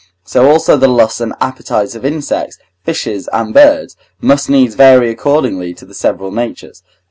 So also the lusts and appetites of insects, fishes, and birds must needs vary according to the several natures.